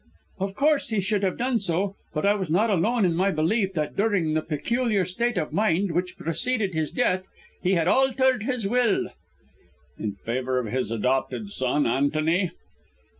"Of course, he should have done so; but I was not alone in my belief that during the peculiar state of mind which preceded his death, he had altered his will " "In favour of his adopted son, Antony?"